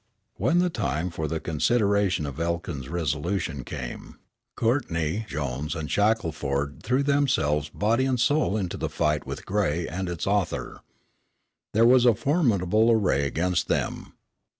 When the time for the consideration of Elkins' resolution came, Courtney, Jones and Shackelford threw themselves body and soul into the fight with Gray and its author. There was a formidable array against them.